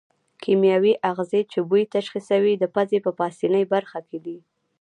کیمیاوي آخذې چې بوی تشخیصوي د پزې په پاسنۍ برخه کې دي.